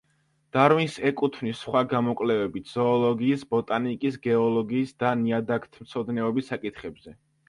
დარვინს ეკუთვნის სხვა გამოკვლევებიც ზოოლოგიის, ბოტანიკის, გეოლოგიის და ნიადაგთმცოდნეობის საკითხებზე.